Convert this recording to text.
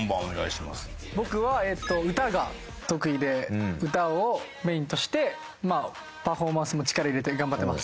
僕は歌が得意で歌をメインとしてパフォーマンスも力入れて頑張ってます。